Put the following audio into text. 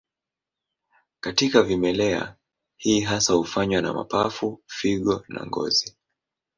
Katika vimelea, hii hasa hufanywa na mapafu, figo na ngozi.